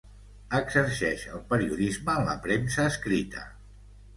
Exerceix el periodisme en la premsa escrita.